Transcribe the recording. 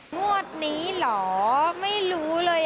งวดนี้เหรอไม่รู้เลย